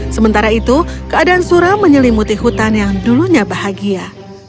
sementara itu keadaan sura menyelimuti hutan yang dulunya bahagia